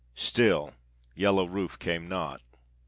Still Yellow Rufe came not.